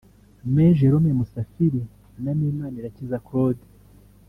Me Jerome Musafiri na Me Manirakiza Claude